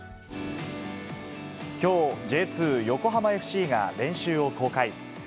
きょう、Ｊ２・横浜ＦＣが練習を公開。